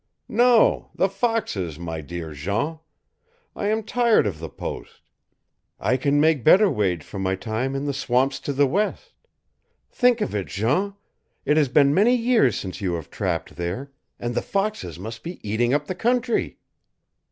"No, the foxes, my dear Jean. I am tired of the post. I can make better wage for my time in the swamps to the west. Think of it, Jean! It has been many years since you have trapped there, and the foxes must be eating up the country!"